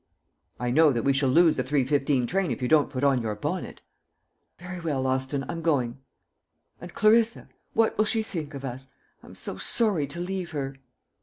"I know that we shall lose the three fifteen train if you don't put on your bonnet." "Very well, Austin; I'm going. And Clarissa what will she think of us? I'm so sorry to leave her."